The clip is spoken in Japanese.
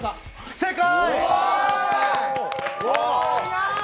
正解！